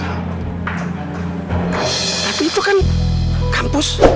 tapi itu kan kampus